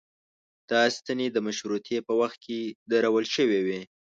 دا ستنې د مشروطې په وخت کې درول شوې وې.